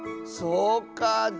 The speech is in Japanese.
そうかあ。